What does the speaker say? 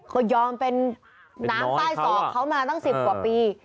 ก็ยอมเป็นน้ำใต้ศอกเขามาตั้ง๑๐กว่าปี